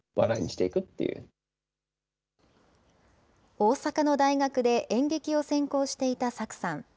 大阪の大学で演劇を専攻していたＳａｋｕさん。